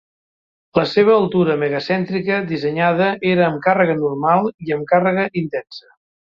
La seva altura mega-cèntrica dissenyada era amb càrrega normal i amb càrrega intensa.